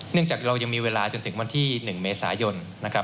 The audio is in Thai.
เนื่องจากเรายังมีเวลาถึงวันที่๑เมษายน